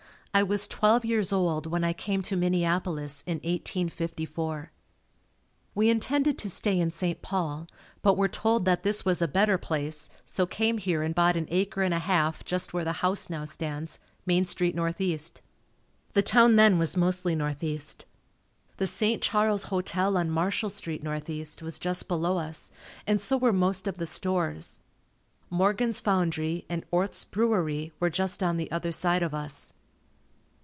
I was twelve years old when I came to Minneapolis in 1854. We intended to stay in St. Paul but were told that this was a better place, so came here and bought an acre and a half just where the house now stands, Main Street N. E. The town then was mostly northeast. The St. Charles hotel on Marshall Street, northeast, was just below us and so were most of the stores. Morgan's foundry and Orth's brewery were just on the other side of us.